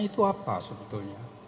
itu apa sebetulnya